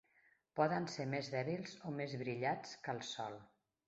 Poden ser més dèbils o més brillats que el sol.